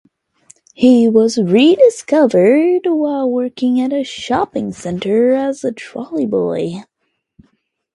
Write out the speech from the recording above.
He was re-discovered while working at a shopping centre as a trolley boy.